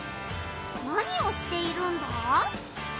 何をしているんだ？